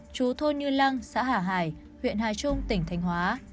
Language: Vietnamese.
chú thôn như lăng xã hà hải huyện hà trung tỉnh thanh hóa